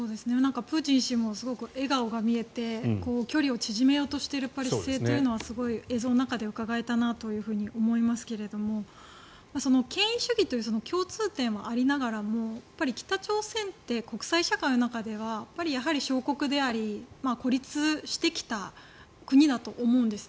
プーチン氏もすごく笑顔が見えて距離を縮めようとしている姿勢というのはすごい映像の中でうかがえたなと思いますけれども権威主義という共通点はありながらも北朝鮮って国際社会の中ではやはり小国であり孤立してきた国だと思うんです。